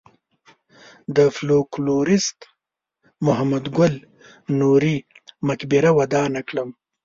د فولکلوریست محمد ګل نوري مقبره ودانه کړم.